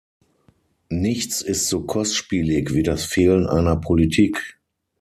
Nichts ist so kostspielig wie das Fehlen einer Politik.